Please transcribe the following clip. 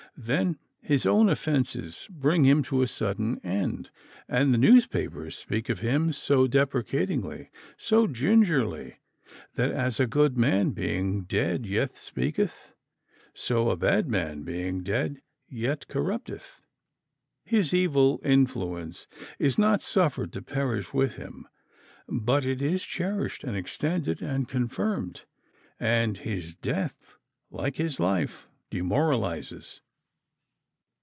Then his own offences bring him to a sudden end, and the newspapers speak of him so deprecatingly, so gingerly, that as a good man being dead yet speaketh, so a bad man being dead yet corrupteth. His evil influence is not suffered to perish with him, but it is cherished and extended and confirmed, and his death, like his life, demoralizes.